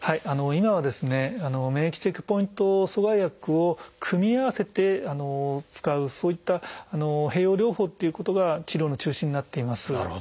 今は免疫チェックポイント阻害薬を組み合わせて使うそういった併用療法っていうことが治療の中心になっています。